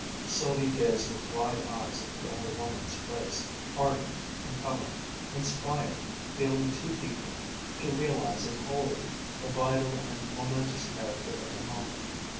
Sylvia gazed with wide eyes at the older woman's face, ardent, compelling, inspired, feeling too deeply, to realize it wholly, the vital and momentous character of the moment.